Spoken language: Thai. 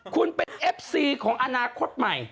คุณเป็นเอฟซีของอนาคตใหม่